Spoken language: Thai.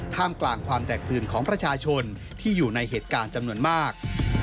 ท่ามกลางความแตกตื่นของประชาชนที่อยู่ในเหตุการณ์จำนวนมาก